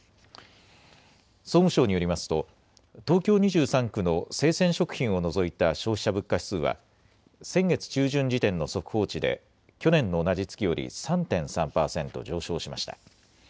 総務省によりますと東京２３区の生鮮食品を除いた消費者物価指数は先月中旬時点の速報値で去年の同じ月より３．３％上昇しました。